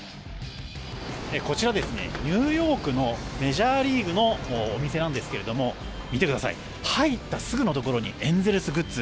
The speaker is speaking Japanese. こちら、ニューヨークのメジャーリーグのお店なんですが見てください入ってすぐのところにエンゼルスグッズ